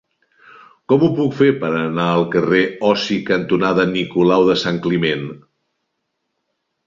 Com ho puc fer per anar al carrer Osi cantonada Nicolau de Sant Climent?